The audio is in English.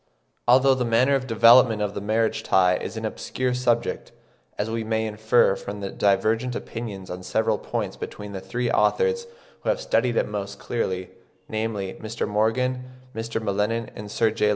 Although the manner of development of the marriage tie is an obscure subject, as we may infer from the divergent opinions on several points between the three authors who have studied it most closely, namely, Mr. Morgan, Mr. M'Lennan, and Sir J.